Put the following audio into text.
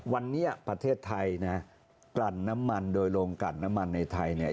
วันนี้ประเทศไทยนะกลั่นน้ำมันโดยโรงกลั่นน้ำมันในไทยเนี่ย